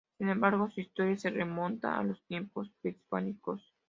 Sin embargo, su historia se remonta a los tiempos prehispánicos.